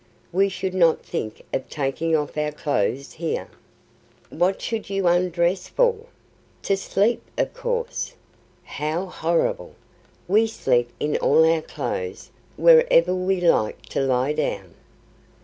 We should not think of taking off our clothes here." "What should you undress for?" "To sleep, of course." "How horrible! We sleep in all our clothes wherever we like to lie down.